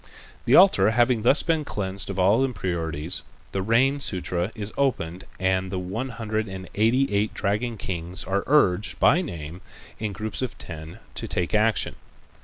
The altar having thus been cleansed of all impurities, the rain sutra is opened and the one hundred and eighty eight dragon kings are urged by name in groups of ten to take action.